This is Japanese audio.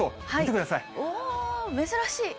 おー、珍しい。